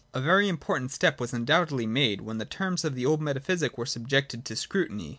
(i) A very important step was undoubtedly made, when the terms of the old metaphysic were subjected to scrutiny.